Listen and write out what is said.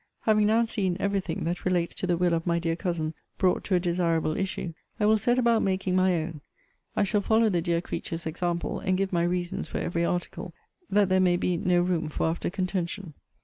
Having now seen every thing that relates to the will of my dear cousin brought to a desirable issue, I will set about making my own. I shall follow the dear creature's example, and give my reasons for every article, that there may be no room for after contention.